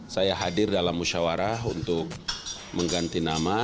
saya hadir dalam musyawarah untuk mengganti nama